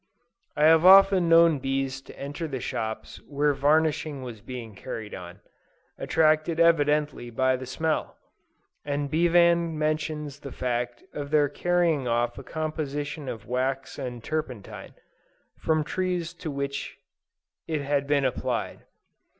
I have often known bees to enter the shops where varnishing was being carried on, attracted evidently by the smell: and Bevan mentions the fact of their carrying off a composition of wax and turpentine, from trees to which it had been applied.